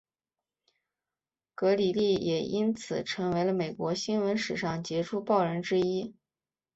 格里利也因此成为了美国新闻史上杰出报人之一。